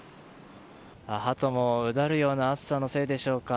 ハトもうだるような暑さのせいでしょうか。